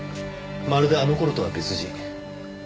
まるであの頃とは別人。